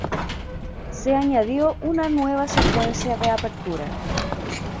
Se añadió una nueva secuencia de apertura.